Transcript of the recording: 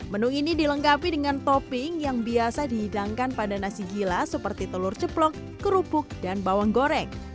menu ini dilengkapi dengan topping yang biasa dihidangkan pada nasi gila seperti telur ceplong kerupuk dan bawang goreng